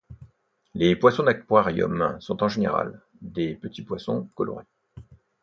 Les poissons d'aquarium sont en général des petits poissons colorés